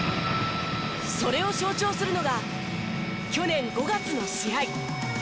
それを象徴するのが去年５月の試合。